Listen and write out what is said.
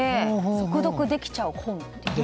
速読できちゃう本と。